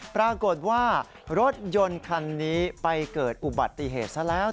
ปรากฏว่ารถยนต์คันนี้ไปเกิดอุบัติเหตุซะแล้ว